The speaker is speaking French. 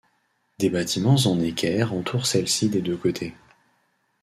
Des bâtiments en équerre entourent celle-ci des deux côtés.